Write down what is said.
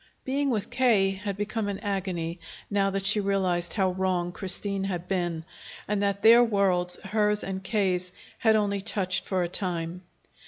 Being with K. had become an agony, now that she realized how wrong Christine had been, and that their worlds, hers and K.'s, had only touched for a time.